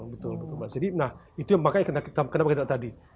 betul itu yang kenapa kita tadi